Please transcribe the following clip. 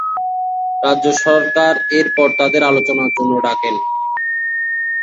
রাজ্য সরকার এরপর তাদের আলোচনার জন্য ডাকেন।